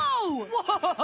ワッハハハ！